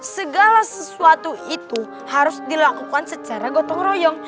segala sesuatu itu harus dilakukan secara gotong royong